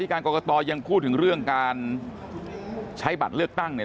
การกรกตยังพูดถึงเรื่องการใช้บัตรเลือกตั้งเนี่ย